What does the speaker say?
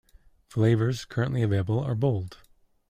Flavors currently available are bold.